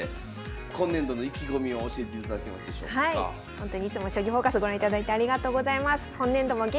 ほんとにいつも「将棋フォーカス」ご覧いただいてありがとうございます。